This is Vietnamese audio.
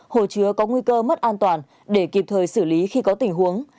hồ chứa có nguy cơ mất an toàn để kịp thời xử lý khi có tình huống